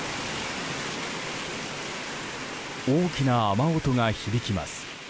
大きな雨音が響きます。